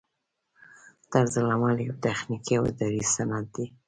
طرزالعمل یو تخنیکي او اداري سند دی.